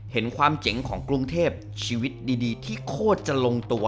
เห็นความเจ๋งของกรุงเทพชีวิตดีที่โคตรจะลงตัว